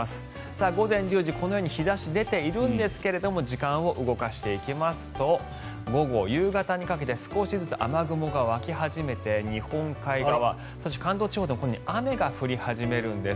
午前１０時このように日差し、出ているんですが時間を動かしていきますと午後、夕方にかけて少しずつ雨雲が湧き始めて、日本海側そして、関東地方でも雨が降り始めるんです。